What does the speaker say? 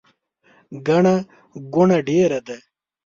ګڼه ګوڼه ډیره ده